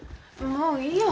もういいよ。